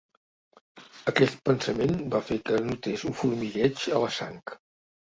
Aquest pensament va fer que notés un formigueig a la sang.